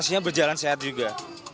harusnya berjalan sehat juga